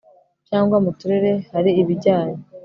cyangwa mu turere hari ibijyanye